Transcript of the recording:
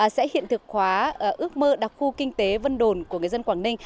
sẽ hiện thực hóa ước mơ đặc khu kinh tế vân đồn của người dân quảng ninh